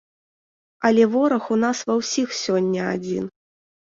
Але вораг у нас ва ўсіх сёння адзін.